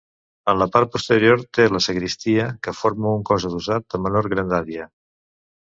En la part posterior té la sagristia, que forma un cos adossat de menor grandària.